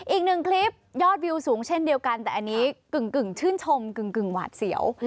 อีกหนึ่งคลิปยอดวิวสูงเช่นเดียวกันแต่อันนี้กึ่งชื่นชมกึ่งหวาดเสียว